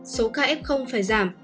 số ca f phải giảm